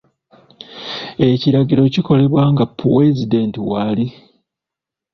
Ekirango ekikolebwa nga puezidenti waali.